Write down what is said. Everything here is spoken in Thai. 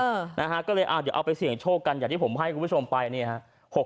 เออนะฮะก็เลยอ่าเดี๋ยวเอาไปเสี่ยงโชคกันอย่างที่ผมให้คุณผู้ชมไปเนี่ยฮะ